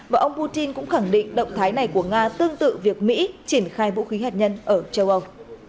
và ông putin cũng khẳng định động thái này của nga tương tự việc mỹ triển khai vũ khí hạt nhân ở châu âu